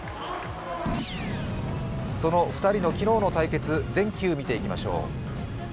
その２人の昨日の対決全球見ていきましょう。